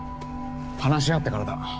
話し合ってからだ。